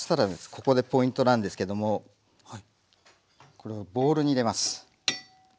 ここでポイントなんですけどもこれをボウルに入れます。